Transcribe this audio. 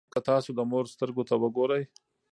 که تاسو د مور سترګو ته وګورئ.